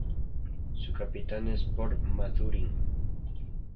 Su capital es Port Mathurin.